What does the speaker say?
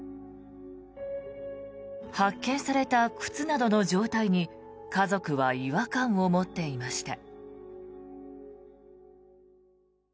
発見された靴などの状態に家族は違和感を持っていました。